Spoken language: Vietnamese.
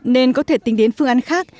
nên có thể tính đến phương án khác